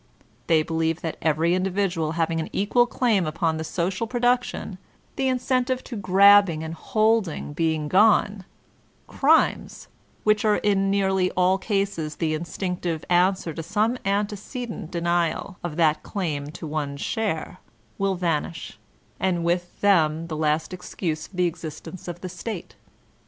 They believe that every individual having an equal claim upon the social production, the incentive to grabbing and holding being gone, crimes (which are in nearly all cases the instinctive answer to some antecedent denial of that claim to one's share) will vanish, and with them the last excuse for the exbtence of the State.